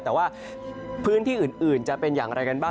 แต่ว่าพื้นที่อื่นจะเป็นอย่างไรกันบ้าง